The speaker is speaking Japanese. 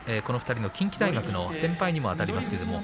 この２人の近畿大学の先輩にもあたります。